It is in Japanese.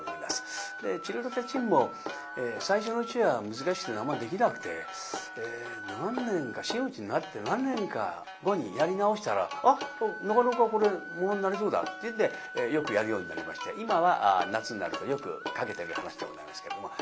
「ちりとてちん」も最初のうちは難しくてあんまりできなくて真打になって何年か後にやり直したら「あっなかなかこれ物になりそうだ」っていうんでよくやるようになりまして今は夏になるとよくかけてる噺でございますけども。